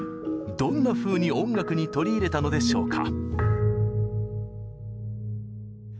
どんなふうに音楽に取り入れたのでしょうか？